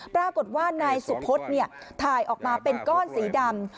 ปรากฏว่านายสุพธถ่ายออกมาเป็นก้อนสีดำ